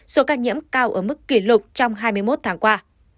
số ca nhiễm cao ở mức kỷ lục trong hai mươi một tháng qua